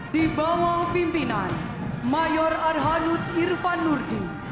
di bawah pimpinan mayor arhanud irfan nurdi